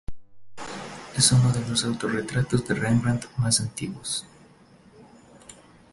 Es uno de los los autorretratos de Rembrandt más antiguos.